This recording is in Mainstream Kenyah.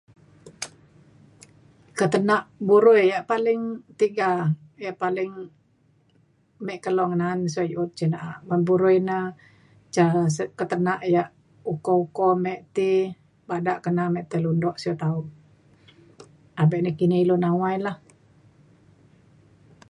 ketenak burui ia paling tega ia paling mek kelo ngenaan sio diut cin na'a men burui na ca sio ketenak ia uko-uko amek ti bada kena amek tai londok sio taup abek nekini ilu nawai lah